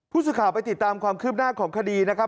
ผู้สื่อข่าวไปติดตามความคืบหน้าของคดีนะครับ